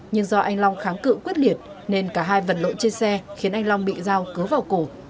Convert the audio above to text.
nhưng do anh long kháng cự quyết liệt nên cả hai vật lộn trên xe khiến anh long bị dao cớ vào cổ